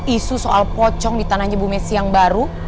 isu soal pocong di tanahnya bume siang baru